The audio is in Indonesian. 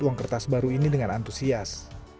uang kertas baru ini dengan antusias